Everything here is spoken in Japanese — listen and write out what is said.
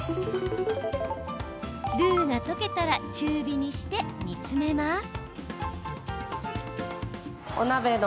ルーが溶けたら中火にして煮詰めます。